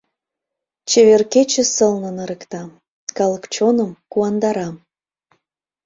Чевер кече сылнын ырыкта, калык чоным куандара.